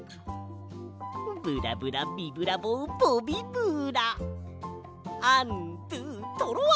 ブラブラビブラボボビブラアンドゥトロワ！